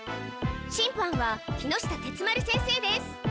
審判は木下鉄丸先生です。